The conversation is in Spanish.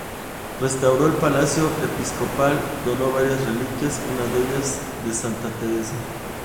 Restauró el palacio episcopal, donó varias reliquias, una de ellas de Santa Teresa.